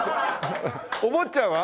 お坊ちゃんは？